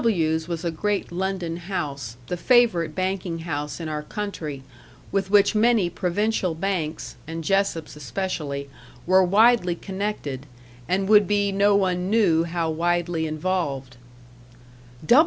W 's was a great London house, the favourite banking house in our country, with which many provincial banks, and Jessop's especially, were widely connected, and would be no one knew how widely involved.